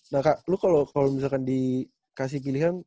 nah kak lu kalo misalkan dikasih pilihan